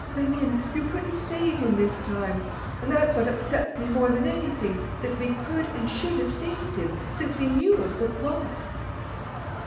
Ah, Rénine, you couldn't save him this time!... And that's what upsets me more than anything, that we could and should have saved him, since we knew of the plot...."